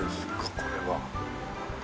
これは。